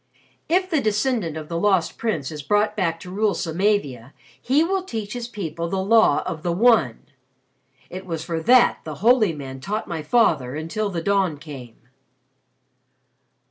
"If the descendant of the Lost Prince is brought back to rule Samavia, he will teach his people the Law of the One. It was for that the holy man taught my father until the dawn came."